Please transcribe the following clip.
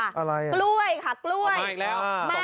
อะไรกล้วยค่ะกล้วยอีกแล้ว